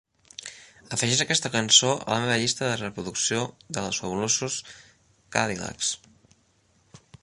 Afegeix aquesta cançó a la meva llista de reproducció de Los Fabulosos Cadillacs